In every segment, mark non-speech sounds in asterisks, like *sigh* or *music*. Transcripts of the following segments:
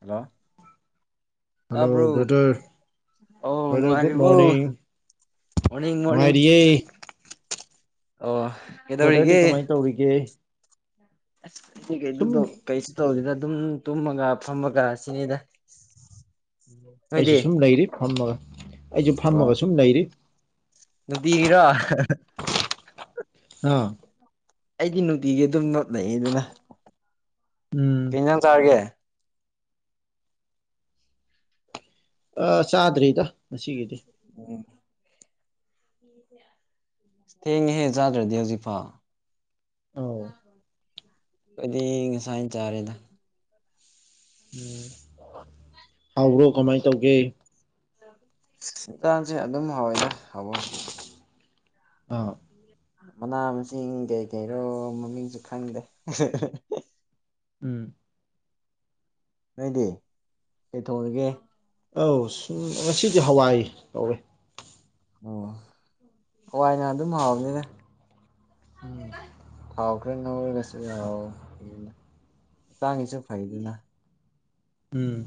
Hello hello ꯇꯥꯕ꯭ꯔꯣ brother ꯑꯣ brother good ꯅꯨꯡꯉꯥꯏꯔꯤꯕꯣ ꯃꯣꯔꯅꯤꯡ ꯃꯣꯔꯅꯤꯡ ꯃꯣꯔꯅꯤꯡ ꯅꯨꯡꯉꯥꯏꯔꯤꯌꯦ ꯑꯣ ꯕ꯭ꯔꯥꯗꯔꯗꯤ ꯀꯃꯥꯏ ꯀꯩꯗꯧꯔꯤꯒꯦ ꯇꯧꯔꯤꯒꯦ ꯑꯁ ꯈꯣꯏꯒꯤ ꯁꯨꯝ ꯑꯗꯨꯗꯣ ꯀꯩꯁꯨ ꯇꯧꯗꯦꯗ ꯑꯗꯨꯝ ꯇꯨꯝꯃꯒ ꯐꯝꯃꯒ ꯁꯤꯅꯤꯗꯥ ꯎꯝ ꯑꯩꯁꯨ ꯁꯨꯝ ꯂꯩꯔꯤ ꯐꯝꯃꯒ ꯑꯩꯁꯨ ꯑꯣ ꯐꯝꯃꯒ ꯁꯨꯝ ꯂꯩꯔꯤ ꯅꯨꯡꯇꯤꯒꯤꯔꯣ ꯑꯥ ꯑꯩꯗꯤ ꯅꯨꯡꯇꯤꯒꯤ ꯑꯗꯨꯝ ꯅꯞ ꯂꯩꯌꯦꯗꯅꯥ ꯎꯝ ꯀꯩ ꯌꯦꯟꯖꯥꯡ ꯆꯥꯔꯒꯦ ꯑꯥ ꯆꯥꯗ꯭ꯔꯤꯗ ꯉꯁꯤꯒꯤꯗꯤ ꯑꯣ ꯊꯦꯡꯉꯦꯍꯦ ꯆꯥꯗ꯭ꯔꯗꯤ ꯍꯧꯖꯤꯛꯐꯥꯎ ꯑꯧ ꯑꯈꯣꯏꯗꯤ ꯉꯁꯥꯏꯅ ꯆꯥꯔꯦꯗ ꯎꯝ ꯍꯥꯎꯕ꯭ꯔꯣ ꯀꯃꯥꯏ ꯇꯧꯒꯦ ꯍꯤꯟꯖꯥꯡꯁꯦ ꯑꯗꯨꯝ ꯍꯥꯎꯋꯦꯗ ꯍꯥꯎꯕ ꯕꯨꯗꯤ ꯑꯥ ꯃꯅꯥ ꯃꯁꯤꯡ ꯀꯩ ꯀꯩꯔꯣ ꯃꯃꯤꯡꯁꯨ ꯈꯪꯗꯦ ꯎꯝ ꯅꯣꯏꯗꯤ ꯀꯩ ꯊꯣꯡꯑꯒꯦ ꯑꯧ ꯁꯨꯝ ꯉꯁꯤꯗꯤ ꯍꯥꯋꯥꯏ ꯇꯧꯔꯦ ꯑꯣ ꯍꯋꯥꯏꯅ ꯑꯗꯨꯝ ꯍꯥꯎꯕꯅꯤꯗꯥ ꯎꯝ ꯊꯥꯎ ꯈꯔ ꯉꯧꯔꯒꯁꯨ ꯌꯥ ꯑꯗꯨꯅ ꯍꯛꯆꯥꯡꯒꯤꯁꯨ ꯐꯩꯗꯅ ꯎꯝ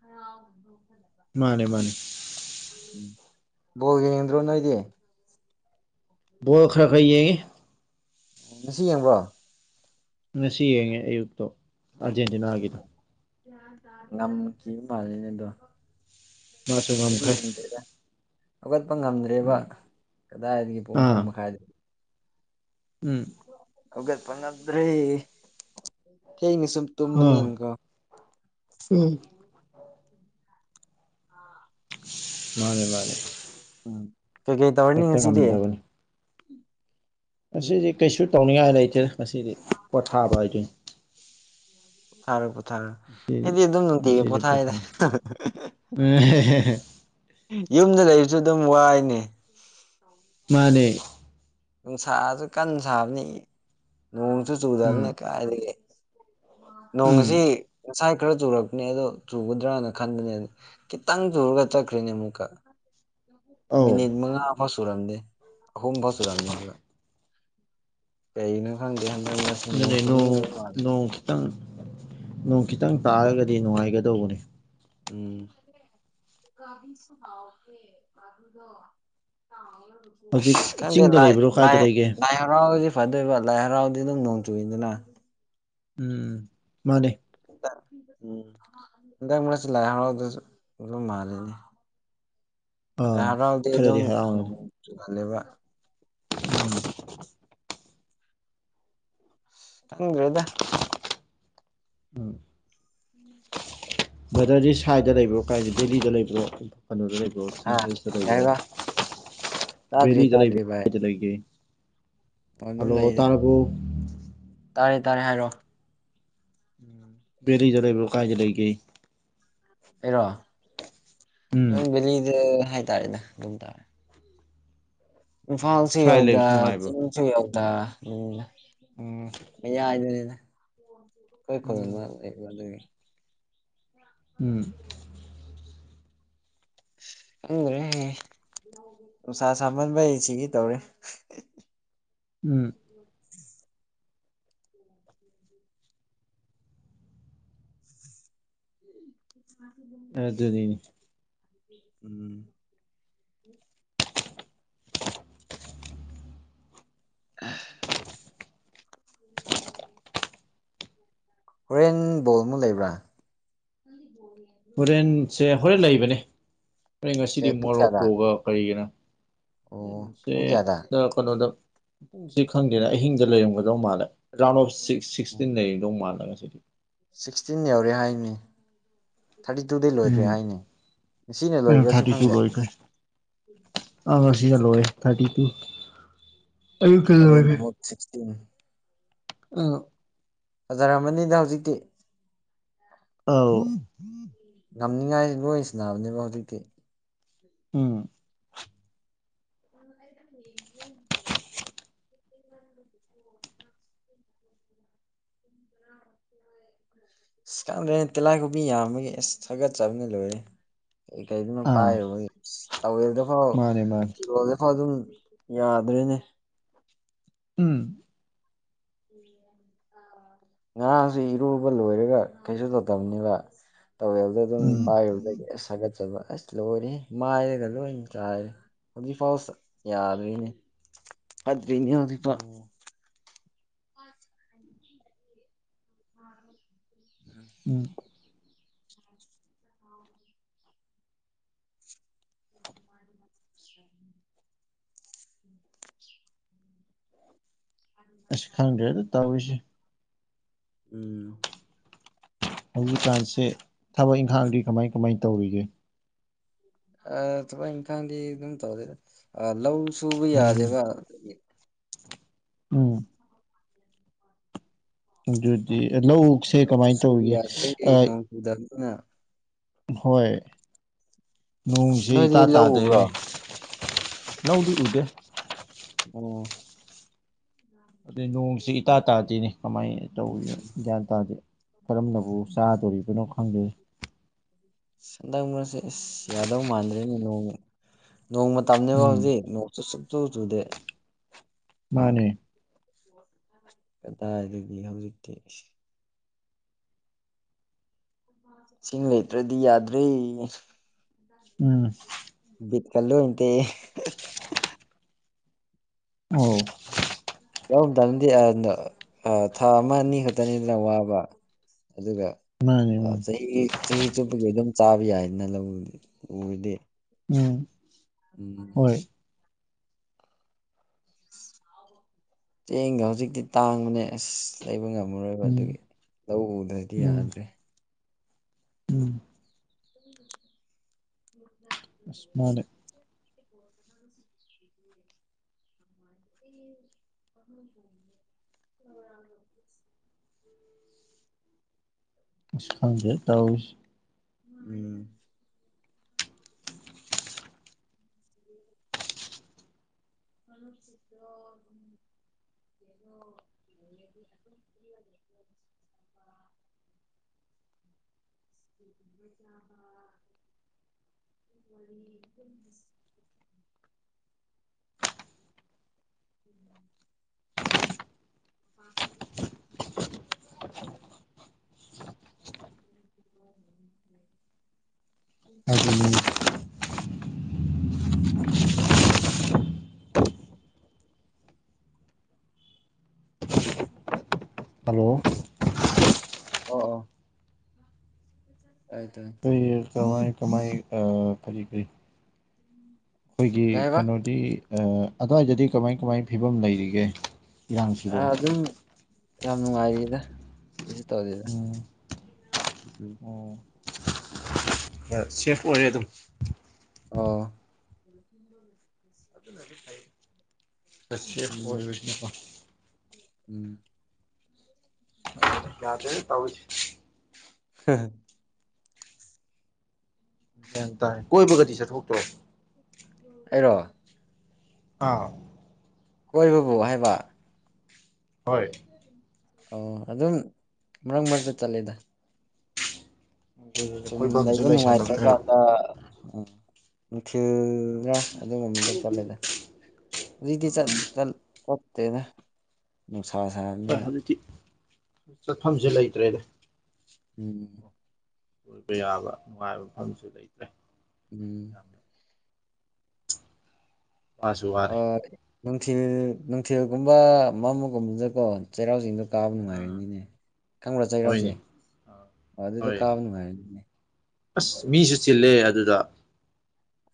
ꯍꯥꯔꯥꯎꯅꯥ ꯅꯣꯛꯀꯅꯤ ꯃꯥꯅꯦ ꯃꯥꯅꯦ ꯕꯣꯜ ꯌꯦꯡꯗꯔꯣ ꯅꯣꯏꯗꯤ ꯕꯣꯜ ꯈꯔ ꯈꯔ ꯌꯦꯡꯏ ꯉꯁꯤ ꯌꯦꯡꯕ꯭ꯔꯣ ꯉꯁꯤ ꯌꯦꯡꯉꯦ ꯑꯌꯨꯛꯇꯣ ꯑꯥꯔꯖꯦꯟꯇꯤꯅꯥꯒꯤꯗꯨ ꯉꯝꯈꯤ ꯃꯥꯟꯂꯦꯅꯦ ꯑꯗꯣ ꯃꯥꯁꯨ ꯑꯩꯗꯤ ꯉꯝꯈ꯭ꯔꯦ ꯌꯦꯡꯗꯦꯗ ꯍꯧꯒꯠꯄ ꯉꯝꯗ꯭ꯔꯦꯕ ꯎꯝ ꯀꯗꯥꯏꯗꯒꯤ ꯄꯨꯡ ꯑꯍꯨꯝ ꯑꯥ ꯃꯈꯥꯏꯗ ꯎꯝ ꯍꯧꯒꯠꯄ ꯉꯝꯗ꯭ꯔꯦ ꯊꯦꯡꯅ ꯁꯨꯝ ꯑꯥ ꯇꯨꯝꯕꯥꯅꯤꯅꯥꯀꯣ ꯎꯝ ꯃꯥꯅꯦ ꯃꯥꯅꯦ ꯎꯝ ꯀꯩꯀꯩ ꯇꯧꯔꯅꯤ ꯍꯦꯛꯇ ꯉꯁꯤꯗꯤ ꯉꯝꯗꯕꯅꯤ ꯉꯁꯤꯗꯤ ꯀꯩꯁꯨ ꯇꯧꯅꯤꯡꯉꯥꯏ ꯂꯩꯇꯦꯗꯥ ꯉꯁꯤꯗꯤ ꯄꯣꯊꯥꯕ ꯍꯥꯏꯗꯨꯅꯤ ꯄꯣꯊꯥꯔꯣ ꯄꯣꯊꯥꯔꯣ ꯉꯁꯤꯗꯤ ꯑꯩꯗꯤ ꯑꯗꯨꯝ ꯅꯨꯡꯗꯤꯒꯤ ꯉꯁꯤꯗꯤ ꯄꯣꯊꯥꯏꯗ ꯄꯣꯊꯥꯕ *unintelligible* ꯌꯨꯝꯗ ꯂꯩꯕꯖꯨ ꯑꯗꯨꯝ ꯋꯥꯏꯅꯦ ꯃꯥꯅꯦ ꯅꯨꯡꯁꯥꯁꯨ ꯀꯟꯅ ꯁꯥꯕꯅꯤ ꯅꯣꯡꯁꯨ ꯎꯝ ꯆꯨꯗꯕꯅꯤ ꯀꯥꯏꯗꯒꯤ ꯎꯝ ꯅꯣꯡꯁꯤ ꯉꯁꯥꯏ ꯈꯔ ꯆꯨꯔꯛꯄꯅꯦ ꯑꯗꯣ ꯆꯨꯒꯗ꯭ꯔꯅ ꯈꯟꯕꯅꯦ ꯈꯤꯇꯪ ꯆꯨꯔꯒ ꯆꯠꯈ꯭ꯔꯤꯅꯦ ꯑꯃꯨꯛꯀ ꯑꯧ ꯃꯤꯅꯤꯠ ꯃꯉꯥ ꯐꯥꯎ ꯁꯨꯔꯝꯅꯦ ꯑꯍꯨꯝ ꯐꯥꯎ ꯁꯨꯔꯝꯗꯦ ꯍꯥꯏꯕ ꯀꯩꯅꯣ ꯈꯪꯗꯦ ꯍꯟꯗꯛ ꯃꯔꯛ ꯑꯗꯨꯅꯦ ꯅꯣꯡ ꯅꯣꯡ ꯈꯤꯇꯪ ꯅꯣꯡ ꯈꯤꯇꯪ ꯇꯥꯔꯒꯗꯤ ꯅꯨꯡꯉꯥꯏꯒꯗꯧꯕꯅꯦ ꯎꯝ ꯑꯨꯛꯕꯤꯁꯨ ꯍꯥꯎꯕꯅꯦ ꯑꯗꯨꯗꯣ ꯇꯥꯎꯔꯒ ꯍꯧꯖꯤꯛ ꯑꯁ ꯈꯪꯗꯦ ꯆꯤꯡꯗ ꯂꯥꯏ ꯂꯩꯕ꯭ꯔꯣ ꯀꯥꯏꯗ ꯂꯩꯒꯦ ꯂꯥꯢ ꯍꯔꯥꯎꯗꯤ ꯐꯗꯣꯏꯕ ꯂꯥꯏ ꯍꯔꯥꯎꯗꯤ ꯑꯗꯨꯝ ꯅꯣꯡ ꯆꯨꯏꯗꯅ ꯎꯝ ꯃꯥꯅꯦ ꯎꯝ ꯍꯟꯗꯛ ꯃꯔꯛꯁꯤ ꯂꯥꯏ ꯍꯔꯥꯎꯗꯁꯨ ꯑꯗꯨꯝ ꯃꯥꯜꯂꯤꯅꯦ ꯂꯥꯏ ꯑꯥ ꯍꯔꯥꯎꯗꯤ ꯈꯔꯗꯤ ꯑꯗꯨꯝ ꯍꯔꯥꯎꯔꯅꯤ ꯆꯨꯒꯜ ꯂꯦꯕ *inaudible* ꯈꯪꯗ꯭ꯔꯦꯗ ꯕ꯭ꯔꯗꯔꯗꯤ ꯁꯥꯏꯗ ꯂꯩꯕ꯭ꯔꯣ ꯀꯥꯏ ꯗꯦꯜꯂꯤꯗ ꯂꯩꯕ꯭ꯔꯣ ꯀꯩꯅꯣꯗ ꯂꯩꯕ꯭ꯔꯣ ꯁꯤ ꯑꯥ ꯍꯥꯁꯗ ꯀꯩ ꯍꯥꯏꯕ ꯂꯩꯕ꯭ꯔꯣ ꯇꯥꯗ꯭ꯔꯤ ꯕꯦꯗꯤ ꯗ ꯇꯥꯗ꯭ꯔꯤ ꯂꯩꯕ꯭ꯔꯣ ꯚꯥꯏ ꯀꯥꯏ ꯂꯩꯒꯦ ꯑꯗꯨꯝ ꯍꯂꯣ ꯂꯩꯗ ꯇꯔ꯭ꯕꯣ ꯇꯥꯔꯦ ꯇꯥꯔꯦ ꯍꯥꯏꯔꯛꯑꯣ ꯎꯝ ꯕꯦꯂꯤꯗ ꯂꯩꯕꯔ ꯀꯥꯏꯖ ꯂꯩꯒꯦ ꯑꯩꯔꯣ ꯎꯝ ꯅꯪ ꯕꯦꯂꯤꯗ ꯍꯥꯏꯇꯥꯔꯦꯅꯦ ꯑꯗꯨꯝ ꯇꯥꯔꯦ ꯎꯝ ꯏꯝꯐꯥꯜꯁꯨ ꯁ꯭ꯋꯥꯏ ꯌꯧꯗ ꯂꯩꯕꯁꯤ ꯅꯨꯡꯉꯥꯏꯕ꯭ꯔꯣ ꯆꯤꯡ ꯁꯨ ꯌꯧꯗ ꯎꯝ ꯃꯌꯥꯏꯗꯅꯤꯗ ꯑꯩꯈꯣꯢ ꯈꯨꯜ ꯎꯝ ꯑꯃ ꯂꯩꯕ ꯑꯗꯨꯒꯤꯅꯤ ꯎꯝ ꯈꯪꯗ꯭ꯔꯦ ꯅꯨꯡꯁꯥ ꯁꯥꯃꯟꯕꯩ ꯁꯤꯒꯦ ꯇꯧꯔꯦ ꯎꯝ *inaudible* ꯑꯗꯨꯅꯤꯅꯦ ꯎꯝ *inaudible* *unintelligible* *inaudible* ꯍꯣꯔꯦꯟ ꯕꯣꯜ ꯑꯃꯩꯛ ꯂꯩꯕ꯭ꯔꯥ *unintelligible* ꯍꯣꯔꯦꯟꯁꯦ ꯍꯣꯔꯦꯟ ꯂꯩꯕꯅꯤ ꯉꯁꯤꯗꯤ ꯀꯩ ꯄꯨꯡ ꯀꯌꯥꯗ ꯃꯣꯔꯣꯛꯀꯣꯒ ꯀꯔꯤꯒꯅꯣ ꯑꯣ ꯁꯦ ꯄꯨꯡ ꯀꯌꯥꯗ ꯀꯩꯅꯣꯗ ꯀꯩꯅꯣꯗ ꯄꯨꯡꯁꯦ ꯈꯪꯗꯦꯅ ꯑꯍꯤꯡꯗ ꯂꯩꯏꯔꯝꯒꯗꯧ ꯃꯥꯜꯂ ꯔꯥꯎꯟ ꯑꯣꯐ ꯁꯤꯛ ꯁꯤꯛꯁꯇꯤꯟ ꯂꯩꯔꯝꯗꯧ ꯃꯥꯜꯂꯦ ꯉꯁꯤꯗꯤ ꯁꯤꯛꯇꯤꯟ ꯌꯧꯔꯦ ꯍꯥꯏꯅꯦ ꯊꯥꯔꯇꯤ ꯇꯨꯗꯤ ꯂꯣꯏꯈ꯭ꯔꯦ ꯎꯝ ꯍꯥꯏꯅꯦ ꯉꯁꯤꯅ ꯂꯣꯏꯕ꯭ꯔꯥꯁꯨ ꯈꯪꯗꯦ ꯑ ꯉꯁꯤꯅ ꯂꯣꯢꯔꯦ ꯊꯥꯔꯇꯤ ꯇꯨ ꯑꯌꯨꯛꯇ ꯍꯣꯔꯦꯟ ꯂꯣꯏꯈ꯭ꯔꯦ ꯑꯃꯨꯛ ꯁꯤꯁꯇꯤꯟ ꯑꯝ꯫ ꯐꯖꯔꯔꯕꯅꯤꯗ ꯍꯧꯖꯤꯛꯇꯤ꯫ ꯑꯧ꯫ ꯉꯝꯅꯤꯡꯉꯥꯏ ꯂꯣꯏ ꯁꯥꯟꯅꯕꯅꯦꯕ ꯍꯧꯖꯤꯛꯇꯤ꯫ ꯎꯝ꯫ *unintelligible* *unintelligible* *unintelligible* *unintelligible* ꯑꯁ ꯀꯥꯟꯗ꯭ꯔꯦꯅ ꯇꯤꯂꯥꯏꯈꯣꯝꯕꯤ ꯌꯥꯝꯕꯒꯤ ꯑꯁ ꯍꯥꯒꯠꯆꯕꯅ ꯂꯣꯏꯔꯦ꯫ ꯑꯩ ꯀꯩꯗꯅꯣꯝ ꯑꯥ ꯄꯥꯏꯔꯨꯕꯒꯤ ꯇꯋꯦꯜꯗ ꯀꯣ ꯃꯥꯅꯦ ꯃꯥꯅꯦ ꯐꯤꯔꯣꯜ ꯑꯗꯨꯝ ꯌꯥꯗ꯭ꯔꯦꯅꯦ꯫ ꯎꯝ꯫ *unintelligible* ꯉꯥꯥꯔꯥꯡꯁꯦ ꯏꯔꯨꯕ ꯂꯣꯏꯔꯒ ꯀꯩꯁꯨ ꯇꯧꯗꯕꯅꯦꯕ ꯇꯧꯋꯦꯜꯗ ꯑꯗꯨꯝ ꯎꯝ ꯄꯥꯏꯔꯨꯕꯗ ꯁꯥꯒꯠꯆꯕ ꯑꯁ ꯂꯣꯏꯔꯦꯍꯦ ꯃꯥꯏꯗꯒ ꯂꯣꯏ ꯆꯥꯏꯔꯦ꯫ ꯍꯧꯖꯤꯐꯥꯎ ꯌꯥꯗ꯭ꯔꯤꯅꯦ ꯐꯠꯇ꯭ꯔꯤꯅꯦ ꯍꯧꯖꯤꯐꯥꯎ꯫ ꯑꯣ ꯃꯥꯅꯤ꯫ ꯎꯝ꯫ ꯎꯝ꯫ *inaudible* ꯑꯁ ꯈꯪꯗ꯭ꯔꯦꯗ ꯇꯧꯔꯤꯁꯦ꯫ ꯎꯝ꯫ ꯍꯧꯖꯤꯛꯀꯥꯟꯁꯦ ꯊꯕꯛ ꯏꯪꯈꯥꯡꯗꯤ ꯀꯃꯥꯏ ꯀꯃꯥꯏ ꯇꯧꯔꯤꯒꯦ? ꯑ ꯊꯕꯛ ꯏꯪꯈꯥꯡꯗꯤ ꯑꯗꯨꯝ ꯇꯧꯔꯦꯗ ꯑꯥ ꯂꯧ ꯁꯨꯕ ꯎꯝ ꯌꯥꯗꯦꯕ ꯑꯗꯨꯒꯤ꯫ ꯎꯝ꯫ ꯑꯗꯨꯗꯤ ꯂꯧꯁꯦ ꯀꯃꯥꯏꯅ ꯇꯧꯔꯤꯒꯦ ꯑ ꯎꯗꯕꯗꯅ꯫ ꯍꯣꯏ ꯅꯣꯡꯁꯤ ꯅꯣꯏꯗꯤ ꯏꯇꯥ ꯂꯧ ꯎꯕ꯭ꯔꯣ ꯇꯥꯗ꯭ꯔꯦꯅꯦ꯫ ꯂꯧꯗꯤ ꯎꯗꯦ꯫ ꯑꯣ꯫ ꯑꯗꯩ ꯅꯣꯡꯁꯤ ꯏꯇꯥ ꯇꯥꯗꯦꯅꯤ ꯀꯃꯥꯏꯅ ꯇꯧꯔꯤꯖꯅꯣ ꯒ꯭ꯌꯥꯟ ꯇꯥꯗꯦ꯫ ꯀꯔꯝꯅꯕꯨ ꯆꯥꯗꯣꯔꯤꯕꯅꯣ ꯈꯪꯗꯦ꯫ ꯍꯟꯗꯛ ꯃꯔꯁꯦ ꯑꯁ ꯌꯥꯗꯧ ꯃꯥꯟꯗ꯭ꯔꯦꯅꯦ ꯅꯣꯡ ꯅꯣꯡ ꯃꯇꯝꯅꯦꯕ ꯎꯝ ꯍꯧꯖꯤꯛ ꯅꯣꯡ ꯁꯨꯞꯆꯨ ꯆꯨꯗꯦ꯫ ꯃꯥꯅꯦ꯫ *unintelligible* ꯀꯗꯥꯥꯏꯔꯗꯤ ꯍꯧꯖꯤꯛꯇꯀꯤ꯫ ꯏꯁꯤꯡ ꯂꯩꯇ꯭ꯔꯗꯤ ꯌꯥꯗ꯭ꯔꯦ꯫ ꯎꯝ꯫ ꯕꯤꯠꯀ ꯂꯣꯏ ꯇꯦꯛꯑꯦ꯫ ꯑꯣ꯫ ꯌꯥꯎꯔꯝ ꯇꯗꯤ ꯑꯥ ꯊꯥ ꯑꯃ ꯑꯅꯤ ꯈꯛꯇꯅꯤꯗꯅ ꯋꯥꯕ ꯑꯗꯨꯒ, ꯃꯥꯅꯦ ꯑꯥ ꯃꯥꯅꯦ ꯆꯍꯤ ꯆꯍꯤ ꯆꯨꯞꯄꯒꯤ ꯑꯗꯨꯝ ꯆꯥꯕ ꯌꯥꯏꯅ ꯂꯧꯗꯤ ꯎꯔꯗꯤ꯫ ꯎꯝ꯫ ꯎꯝ ꯍꯣꯏ ꯆꯦꯡꯒ ꯍꯧꯖꯤꯛꯇꯤ ꯇꯥꯡꯕꯅꯦ ꯑꯁ ꯂꯩꯕ ꯉꯝꯃꯔꯣꯏꯕ ꯎꯝ ꯑꯗꯨꯒꯤ ꯂꯧ ꯎꯗ꯭ꯔꯗꯤ ꯎꯝ ꯌꯥꯗ꯭ꯔꯦ ꯎꯝ *inaudible* ꯑꯁ ꯃꯥꯗꯦ *inaudible* *inaudible* *inaudible* *unintelligible* ꯑꯁ ꯈꯪꯗꯦ ꯇꯧꯔꯤꯁꯦ ꯎꯝ ꯃꯔꯨꯞꯁꯤꯡꯗꯣ *unintelligible* *unintelligible* ꯎꯝ *unintelligible* ꯑꯗꯨꯅꯤ *unintelligible* *unintelligible* ꯍꯜꯂꯣ ꯑꯣ ꯑꯥ ꯑꯥꯏ ꯇꯥꯏ ꯀꯔꯤ ꯀꯃꯥꯏ ꯀꯃꯥꯏ ꯑ ꯀꯔꯤ ꯀꯔꯤ ꯑꯈꯣꯏꯒꯤ ꯀꯩ ꯍꯥꯏꯕ ꯀꯩꯅꯣ ꯗꯤ ꯑ ꯑꯗ꯭ꯋꯥꯏꯗꯗꯤ ꯀꯃꯥꯏ ꯀꯃꯥꯏ ꯐꯤꯕꯝ ꯂꯩꯔꯤꯒꯦ ꯑ ꯏꯔꯥꯡꯁꯤꯕꯣ ꯑꯗꯨꯝ ꯌꯥꯝ ꯅꯨꯡꯉꯥꯏꯔꯤꯗ ꯀꯩꯁꯨ ꯇꯧꯗꯦꯗ ꯎꯝ ꯎꯝ ꯁꯦꯐ ꯑꯣꯏꯌꯦ ꯑꯗꯨꯝ ꯑꯣ ꯑ ꯁꯦꯐ ꯎꯝ ꯑꯣꯏꯕꯁꯤꯅꯀꯣ ꯎꯝ ꯌꯥꯗ꯭ꯔꯦꯗ ꯇꯧꯔꯤꯁꯤ *unintelligible* ꯒ꯭ꯌꯥꯟ ꯇꯥꯏ ꯀꯣꯏꯕꯒꯗꯤ ꯆꯠꯊꯣꯛꯇ꯭ꯔꯣ ꯑꯩꯔꯣ ꯑꯥ ꯀꯣꯏꯕꯕꯨ ꯍꯥꯏꯕ ꯍꯣꯏ ꯑꯣ ꯑꯗꯨꯝ ꯃꯔꯛ ꯃꯔꯛꯇ ꯆꯠꯂꯦꯗ ꯑꯗꯨꯅꯤꯅꯦ ꯁꯨꯝ ꯀꯣꯏꯐꯝꯁꯨ ꯂꯩꯕ ꯂꯩꯁꯜꯂꯛꯇ꯭ꯔꯦ ꯅꯨꯡꯉꯥꯏꯇ꯭ꯔꯀꯥꯟꯗ ꯎꯝ ꯅꯨꯡꯊꯤꯜꯗ ꯑꯗꯨꯒꯨꯝꯕꯗ ꯆꯠꯂꯦꯗ ꯍꯨꯖꯤꯛꯇꯤ ꯆꯠ ꯆꯜ ꯆꯠꯇꯦꯗ ꯅꯨꯡꯁꯥ ꯁꯝ ꯍꯣꯏ ꯍꯧꯖꯤꯛꯇꯤ ꯆꯠꯐꯝꯁꯦ ꯂꯩꯇ꯭ꯔꯦꯗ ꯎꯝ ꯀꯣꯏꯕ ꯌꯥꯕ ꯅꯨꯡꯉꯥꯏꯕ ꯃꯐꯝꯁꯨ ꯂꯩꯇ꯭ꯔꯦ ꯎꯝ ꯌꯥꯝꯅ ꯋꯥꯁꯨ ꯑ ꯋꯥꯔꯦ ꯅꯨꯡꯊꯤꯜ ꯅꯨꯡꯊꯤꯜꯒꯨꯝꯕ ꯃꯝꯃꯒꯨꯝꯕꯖꯦꯀꯣ ꯆꯩꯔꯥꯎꯆꯤꯡꯗꯣ ꯀꯥꯕ ꯑꯥ ꯅꯨꯡꯉꯥꯏꯔꯅꯤꯅꯦ ꯈꯪꯕ꯭ꯔꯥ ꯆꯩꯔꯥꯎꯆꯦ ꯍꯣꯏꯅꯦ ꯑꯥ ꯑꯣ ꯑꯗꯨꯗ ꯍꯣꯏ ꯀꯥꯕ ꯅꯨꯡꯉꯥꯏꯅꯦꯕ ꯑꯁ ꯃꯤꯁꯨ ꯆꯤꯜꯂꯦ ꯑꯗꯨꯗ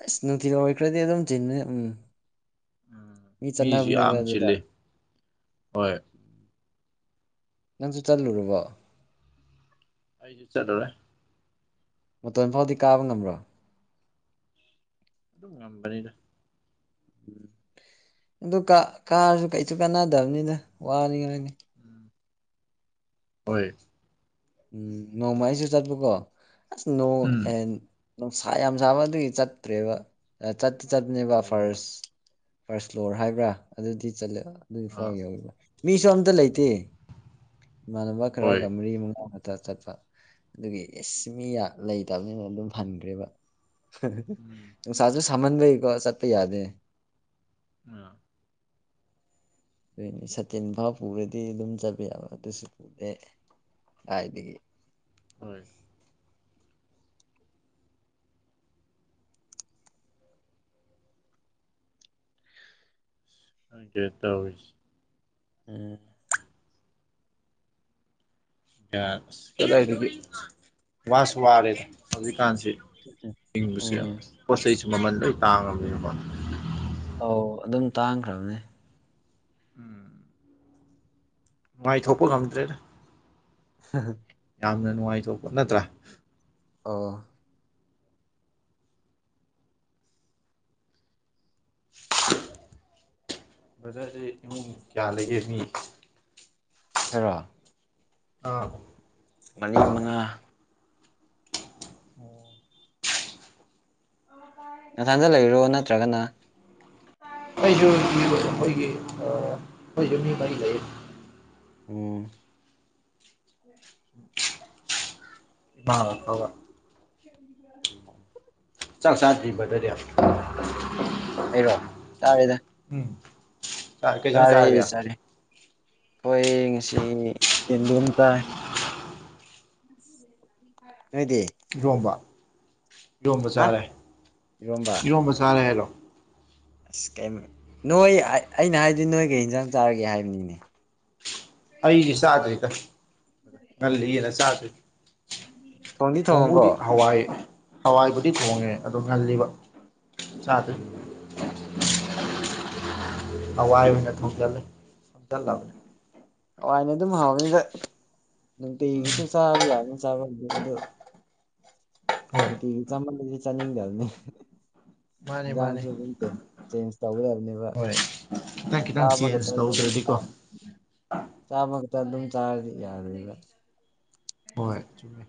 ꯑꯁ ꯅꯨꯡꯊꯤꯜ ꯑꯣꯏꯈ꯭ꯔꯗꯤ ꯑꯗꯨꯝ ꯆꯤꯟꯕꯅꯦ ꯎꯝ ꯃꯤ ꯃꯤꯁꯨ ꯆꯠꯅꯕꯅꯦꯕ ꯌꯥꯝ ꯑꯗꯨꯗ ꯆꯤꯜꯂꯤ ꯍꯣꯏ ꯅꯪꯁꯨ ꯆꯠꯂꯨꯨꯔꯕꯣ ꯑꯩꯁꯨ ꯆꯠꯂꯨꯔꯦ ꯃꯇꯣꯟ ꯐꯥꯎꯗꯤ ꯀꯥꯕ ꯉꯝꯕ꯭ꯔꯣ ꯑꯗꯨꯝ ꯉꯝꯕꯅꯤꯗ ꯎ ꯑꯗꯨ ꯀꯥ ꯀꯥꯔꯁꯨ ꯀꯩꯁꯨ ꯀꯥꯟꯅꯗꯕꯅꯤꯗ ꯋꯥꯅꯤꯡꯉꯥꯏꯅꯤ ꯎꯝ ꯍꯣꯏ ꯎꯝ ꯅꯣꯡꯃ ꯑꯩꯁꯨ ꯆꯠꯄꯀꯣ ꯑꯁ ꯅꯣꯡ ꯎꯝ ꯑꯦ ꯅꯨꯡꯁꯥ ꯌꯥꯝ ꯁꯥꯕ ꯑꯗꯨꯒꯤ ꯆꯠꯇ꯭ꯔꯦꯕ ꯑ ꯆꯠꯇꯤ ꯆꯠꯄꯅꯦꯕ ꯑꯣ ꯐꯥꯔꯁ ꯐꯥꯔꯁ ꯐ꯭ꯂꯣꯔ ꯍꯥꯏꯕ꯭ꯔꯥ ꯑꯗꯨꯗꯤ ꯆꯠꯂꯦ ꯑꯗꯨꯏꯐꯥꯎ ꯑꯥ ꯌꯧꯔꯤꯕ ꯃꯤꯁꯨ ꯑꯝꯇ ꯂꯩꯇꯦ ꯏꯃꯥꯟꯅꯕ ꯍꯣꯏ ꯈꯔꯒ ꯃꯔꯤ ꯃꯉꯥ ꯇ ꯆꯠꯄ ꯑꯗꯨꯒꯤ ꯑꯦꯁ ꯃꯤꯌꯥ ꯂꯩꯇꯕꯅꯤꯅ ꯑꯗꯨꯝ ꯍꯟꯈ꯭ꯔꯦꯕ ꯎꯝ ꯅꯨꯡꯁꯥꯁꯨ ꯁꯃꯟꯕꯩꯀꯣ ꯆꯠꯄ ꯌꯥꯗꯦ ꯎ ꯑꯗꯨꯏꯅꯦ ꯁꯇꯤꯟ ꯐꯥꯎ ꯄꯨꯔꯗꯤ ꯑꯗꯨꯝ ꯆꯠꯕ ꯌꯥꯕ ꯑꯗꯨꯁꯨ ꯄꯨꯗꯦ ꯀꯥꯏꯗꯒꯤ ꯍꯣꯏ ꯈꯪꯗꯦ ꯇꯧꯔꯤꯁꯦ ꯎꯝ ꯀꯥꯅ ꯑꯁ ꯀꯗꯥꯏꯗꯒꯤ ꯋꯥꯁꯨ ꯋꯥꯔꯦꯗ ꯍꯧꯖꯤꯛꯀꯥꯟꯁꯤ ꯍꯤꯡꯕꯁꯨ ꯌꯥꯝ ꯎꯝ ꯄꯣꯠ ꯆꯩꯁꯨ ꯃꯃꯜ ꯂꯣꯏ ꯇꯥꯡꯉꯕꯅꯤꯅꯀꯣ ꯑꯧ ꯑꯗꯨꯝ ꯇꯥꯡꯈ꯭ꯔꯕꯅꯦ ꯎꯝ ꯃꯥꯏꯊꯣꯛꯄ ꯉꯝꯗ꯭ꯔꯦꯗ *unintelligible* ꯌꯥꯝꯅ ꯅꯨꯡꯉꯥꯏꯊꯣꯛꯄ ꯅꯠꯇ꯭ꯔꯥ ꯑꯣ *inaudible* ꯕꯖꯥꯔꯁꯦ ꯏꯃꯨꯡ ꯀꯌꯥ ꯂꯩꯒꯦ ꯃꯤ ꯈꯔꯣ ꯑꯥ ꯃꯔꯤ ꯃꯉꯥ ꯅꯊꯟꯗ ꯂꯩꯔꯣ ꯅꯠꯇ꯭ꯔꯒꯅ ꯑꯩꯁꯨ ꯑꯈꯣꯏꯒꯤ ꯑ ꯑꯈꯣꯏꯁꯨ ꯃꯤ ꯃꯔꯤ ꯂꯩ ꯑꯣ ꯏꯃꯥ ꯑꯐꯕ *unintelligible* ꯆꯥꯛ ꯆꯥꯗ꯭ꯔꯤ ꯕꯗꯔꯗꯤ ꯑꯩꯔꯣ ꯇꯥꯔꯦꯗ ꯎꯝ ꯀꯩ ꯏꯟꯖꯥꯡ ꯆꯥꯔꯦ ꯆꯥꯔꯒꯦ ꯆꯥꯔꯦ ꯍꯣꯏ ꯉꯁꯤ ꯌꯦꯟꯗꯦꯝ ꯇꯥꯏ ꯅꯣꯏꯗꯤ ꯏꯔꯣꯝꯕ ꯏꯔꯣꯝꯕ ꯍꯥ ꯆꯥꯔꯦ ꯏꯔꯣꯝꯕ ꯆꯥꯔꯦ ꯍꯥꯏꯔꯣ ꯑꯁ ꯀꯩꯝ ꯅꯣꯏ ꯑꯩ ꯑꯩꯅ ꯍꯥꯏꯗꯤ ꯅꯣꯏꯒꯤ ꯀꯩ ꯍꯤꯟꯖꯥꯡ ꯆꯥꯔꯒꯦ ꯍꯥꯏꯕꯅꯤꯅꯦ ꯑꯩꯒꯤ ꯆꯥꯗ꯭ꯔꯤꯗ ꯑꯣ ꯉꯜꯂꯤꯌ‌ꯦꯅ ꯆꯥꯗ꯭ꯔꯤ ꯊꯣꯡꯗꯤ ꯊꯣꯡꯉꯕꯣ ꯊꯣꯡꯕꯨꯗꯤ ꯍꯋꯥꯏ ꯍꯋꯥꯏꯕꯨꯗꯤ ꯊꯣꯡꯉꯦ ꯑꯗꯣ ꯉꯜꯂꯤꯕ ꯆꯗ꯭ꯔꯤ ꯎꯝ ꯍꯋꯥꯏ ꯑꯣꯏꯅ ꯊꯣꯡꯖꯜꯂ‌ꯦ *unintelligible* ꯍꯋꯥꯏꯅ ꯑꯗꯨꯝ ꯍꯥꯎꯕꯅꯤꯗ ꯅꯨꯡꯇꯤꯒꯤꯁꯨ ꯆꯥꯕ ꯌꯥꯕꯅꯤ ꯆꯥꯕ ꯕꯨꯗꯤ ꯑꯗꯨ ꯍꯣꯏ ꯅꯨꯡꯇꯤꯒꯤ ꯆꯥꯃꯜꯂꯗꯤ ꯆꯅꯤꯡꯗꯕꯅ‌ꯦ ꯃꯥꯅꯦ ꯃꯥꯅꯦ ꯏꯟꯖꯥꯡꯁꯨ ꯑꯗꯨꯝ ꯄ‌ꯦꯟ ꯆꯦꯟꯖ ꯇꯧꯒꯗꯕꯅꯦꯕ ꯍꯣꯏ ꯈꯤꯇꯪ ꯈꯤꯇꯪ ꯆꯥꯕ ꯈꯛꯇ ꯆꯦꯟꯖ ꯑꯗꯨꯝ ꯇꯧꯗ꯭ꯔꯗꯤꯀꯣ ꯆꯥꯏ ꯆꯥꯕ ꯈꯛꯇ ꯑꯗꯨꯝ ꯆꯥꯔꯗꯤ ꯌꯥꯗꯦꯕ ꯑ ꯆꯨꯝꯃꯦ